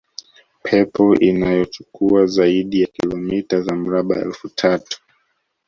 pepo inayochukua zaidi ya kilometa za mraba elfu tatu